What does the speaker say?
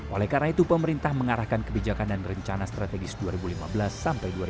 oleh karena itu pemerintah mengarahkan kebijakan dan rencana strategis dua ribu lima belas sampai dua ribu dua puluh